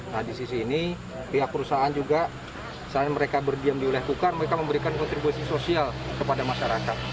nah di sisi ini pihak perusahaan juga saat mereka berdiam diulah kukan mereka memberikan kontribusi sosial kepada masyarakat